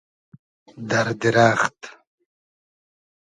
دئر دیرئخت